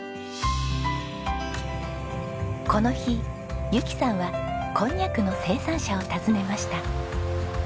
この日由紀さんはこんにゃくの生産者を訪ねました。